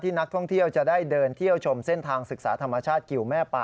นักท่องเที่ยวจะได้เดินเที่ยวชมเส้นทางศึกษาธรรมชาติกิวแม่ป่า